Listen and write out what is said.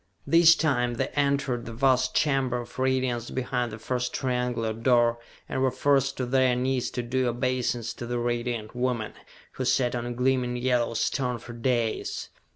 This time they entered the vast chamber of radiance behind the first triangular door, and were forced to their knees to do obeisance to the Radiant Woman, who sat on a gleaming yellow stone for dais!